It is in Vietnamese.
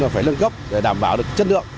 phải lượng gấp để đảm bảo được chất lượng